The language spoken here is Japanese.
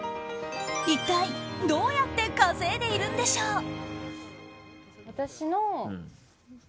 一体どうやって稼いでいるんでしょう？